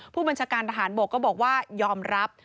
ผู้บัญชาการทหารบกก็บอกว่ายอมรับ